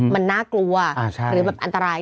มันน่ากลัวหรือแบบอันตราย